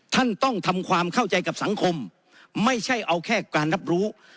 ท่านต้องทำความเข้าใจกับสังคมไม่ใช่เอาแค่การรับรู้